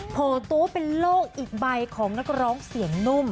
โผล่ตู้เป็นโลกอีกใบของนักร้องเสียงนุ่ม